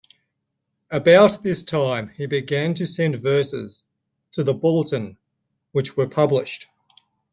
About this time he began to send verses to The Bulletin, which were published.